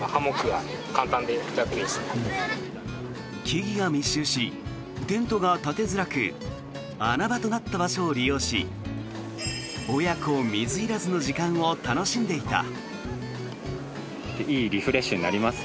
木々が密集しテントが立てづらく穴場となった場所を利用し親子水入らずの時間を楽しんでいた。